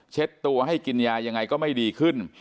ตัวให้กินยายังไงก็ไม่ดีขึ้น